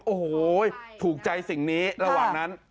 โอ้โหถูกใจสิ่งนี้ระหว่างนั้น